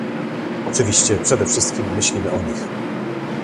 Oczywiście przede wszystkim myślimy o nich